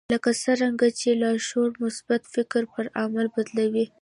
لکه څرنګه چې لاشعور مثبت فکر پر عمل بدلوي.